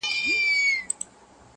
o زه په تمه، ته بېغمه٫